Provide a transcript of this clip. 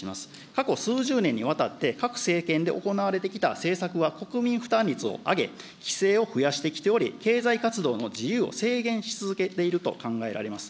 過去数十年にわたって、各政権で行われてきた政策は国民負担率を上げ、規制を増やしてきており、経済活動の自由を制限し続けていると考えられます。